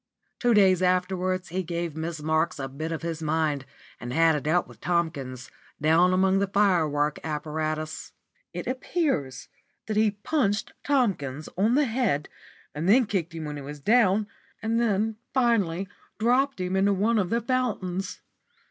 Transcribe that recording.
Two days afterwards he gave Miss Marks a bit of his mind, and had it out with Tomkins, down among the firework apparatus. It appears that he punched Tomkins on the head, and then kicked him when he was down, and finally dropped him into one of the fountains.